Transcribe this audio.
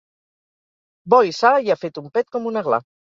Bo i sa i ha fet un pet com un aglà.